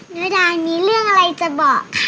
นูดามีเรื่องอะไรจะบอก